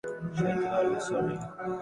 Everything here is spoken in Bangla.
সইতে পারবে সরি?